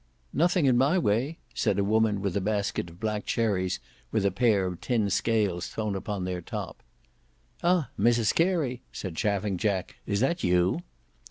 "Nothing in my way?" said a woman with a basket of black cherries with a pair of tin scales thrown upon their top. "Ah! Mrs Carey," said Chaffing Jack, "is that you?"